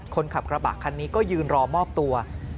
คนขับกระบะคันนี้ก็ยืนรอมอบตัว